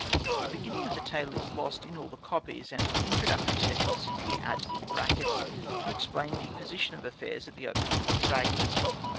The beginning of the tale is lost in all the copies, and an introductory sentence is here added in brackets, to explain the position of affairs at the opening of the fragment.